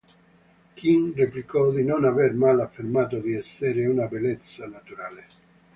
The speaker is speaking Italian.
Kim replicò di non aver mai affermato di essere una bellezza naturale.